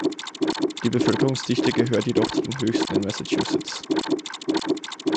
Die Bevölkerungsdichte gehört jedoch zu den höchsten in Massachusetts.